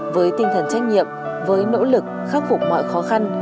với tinh thần trách nhiệm với nỗ lực khắc phục mọi khó khăn